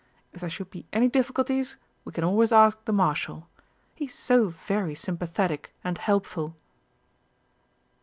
If there should be any difficulty, we can always ask the Marshal he's so very sympathetic and helpful."